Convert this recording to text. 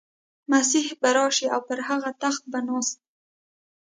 مسیح به راشي او پر هغه تخت به ناست وي.